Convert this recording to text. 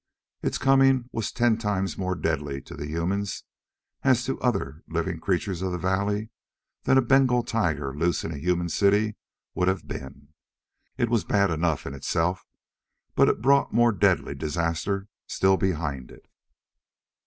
Its coming was ten times more deadly to the humans as to the other living creatures of the valley than a Bengal tiger loosed in a human city would have been. It was bad enough in itself, but it brought more deadly disaster still behind it.